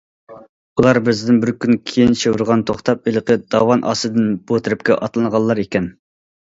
ئۇلار بىزدىن بىر كۈن كېيىن شىۋىرغان توختاپ ھېلىقى داۋان ئاستىدىن بۇ تەرەپكە ئاتلانغانلار ئىكەن.